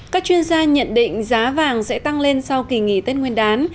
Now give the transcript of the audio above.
các chuyên gia nhận định giá vàng sẽ tăng lên sau kỳ nghỉ tết nguyên đán